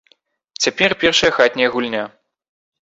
Цяпер першая хатняя гульня.